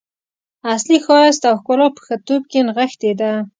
اصلي ښایست او ښکلا په ښه توب کې نغښتې ده.